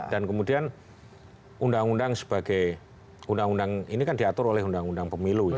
dan kemudian undang undang sebagai ini kan diatur oleh undang undang pemilu ya